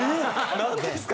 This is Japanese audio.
何ですか？